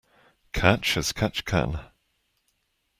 Catch as catch can.